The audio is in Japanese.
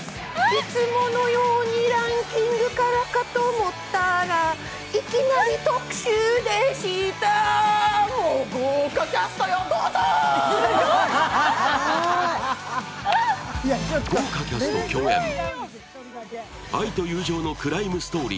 いつものようにランキングからかと思ったらいきなり特集でーしーたー。